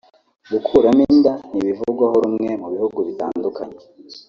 Gukuramo inda ntibivugwaho rumwe mu bihugu bitandukanye